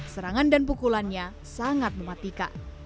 serangan dan pukulannya sangat mematikan